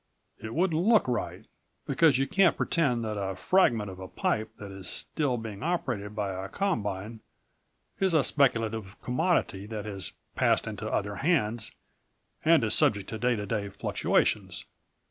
It wouldn't look right, because you can't pretend that a fragment of a pipe that is still being operated by a combine is a speculative commodity that has passed into other hands and is subject to day to day fluctuations.